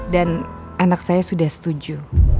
dan anak saya sudah setuju